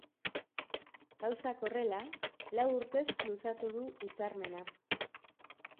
Gauzak horrela, lau urtez luzatu du hitzarmena.